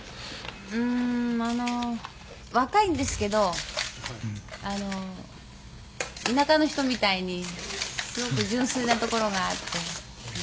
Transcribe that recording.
「うーんあの若いんですけど田舎の人みたいにすごく純粋なところがあって」